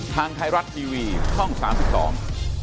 ทางไทรัตท์ทีวีช่อง๓๒